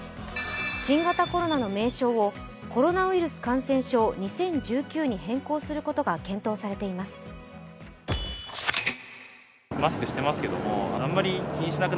新型コロナの名称をコロナウイルス感染症２０１９に変更することが検討されています。